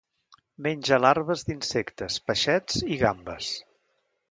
Menja larves d'insectes, peixets i gambes.